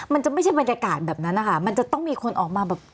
มันจะไม่ใช่บรรยากาศแบบนั้นนะคะมันจะต้องมีคนออกมาแบบ